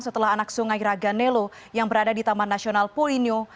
setelah anak sungai raganelo yang berada di taman nasional poinho